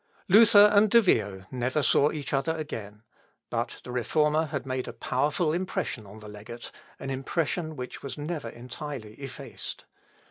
Luther and De Vio never saw each other again; but the Reformer had made a powerful impression on the legate, an impression which was never entirely effaced.